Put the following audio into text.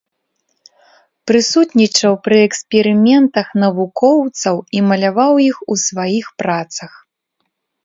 Прысутнічаў пры эксперыментах навукоўцаў і маляваў іх у сваіх працах.